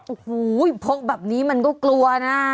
โอ้โหพกแบบนี้มันก็กลัวนะ